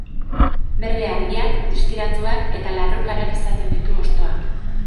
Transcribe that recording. Berde argiak, distiratsuak eta larrukarak izaten ditu hostoak.